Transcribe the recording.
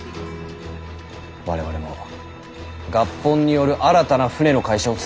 我々も合本による新たな船の会社を作ろう。